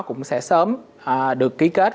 cũng sẽ sớm được ký kết